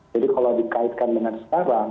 jadi kalau dikaitkan dengan sekarang